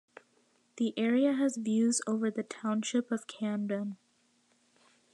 The area has views over the township of Camden.